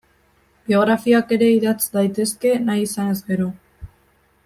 Biografiak ere idatz daitezke nahi izanez gero.